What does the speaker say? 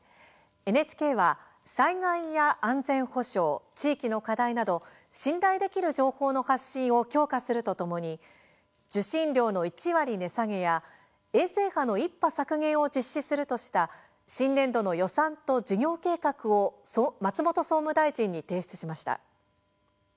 ＮＨＫは、災害や安全保障地域の課題など信頼できる情報の発信を強化するとともに受信料の１割値下げや、衛星波の１波削減を実施するとした新年度の予算と事業計画を松本総務大臣に提出しました。